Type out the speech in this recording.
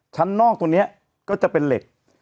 ชั้นนอกตรงนี้ก็จะเป็นเหล็ก